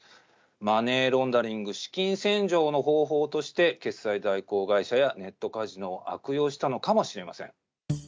マネーロンダリング・資金洗浄の方法として、決済代行会社やネットカジノを悪用したのかもしれません。